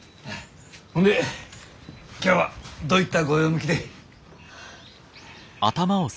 ほんで今日はどういったご用向きで？